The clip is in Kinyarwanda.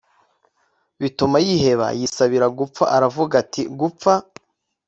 bituma yiheba yisabira gupfa aravuga ati gupfa